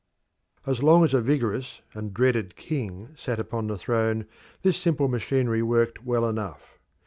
As long as a vigorous and dreaded king sat upon the throne this simple machinery worked well enough.